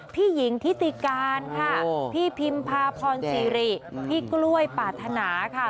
พี่หญิงทิติการค่ะพี่พิมพาพรสิริพี่กล้วยปรารถนาค่ะ